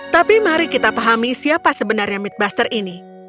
tapi mari kita pahami siapa sebenarnya midbuster ini